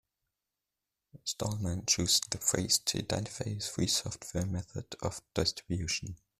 Stallman chose the phrase to identify his free software method of distribution.